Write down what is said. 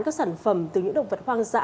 các sản phẩm từ những động vật hoang dã